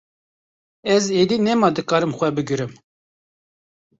Ez êdî nema dikarim xwe bigirim.